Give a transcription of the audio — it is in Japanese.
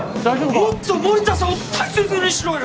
・もっと森田さんを大切にしろよ！！